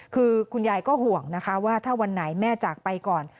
คือคุณยายก็ห่วงนะคะว่าถ้าวันไหนแม่จากไปก่อน